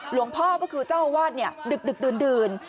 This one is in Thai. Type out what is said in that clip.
หลวงพ่อก็คือเจ้าวัดเนี่ยดึกดื่น